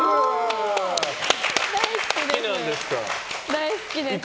大好きです。